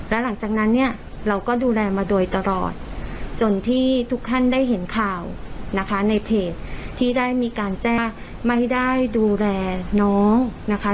แล้วหลังจากนั้นเนี่ยเราก็ดูแลมาโดยตลอดจนที่ทุกท่านได้เห็นข่าวนะคะในเพจที่ได้มีการแจ้งไม่ได้ดูแลน้องนะคะ